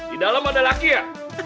di dalam ada laki ya